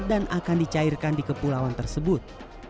dan akan dicairkan di kepulauan tersebut